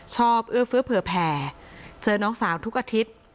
เอื้อเฟื้อเผื่อแผ่เจอน้องสาวทุกอาทิตย์